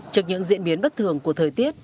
trước những diễn biến bất thường của thời tiết